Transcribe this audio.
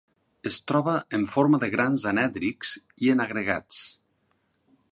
Es troba en forma de grans anèdrics i en agregats.